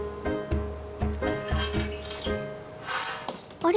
あれ！？